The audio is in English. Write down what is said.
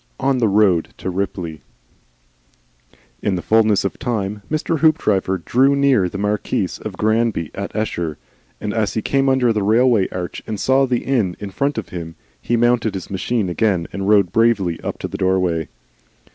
ON THE ROAD TO RIPLEY In the fulness of time, Mr. Hoopdriver drew near the Marquis of Granby at Esher, and as he came under the railway arch and saw the inn in front of him, he mounted his machine again and rode bravely up to the doorway.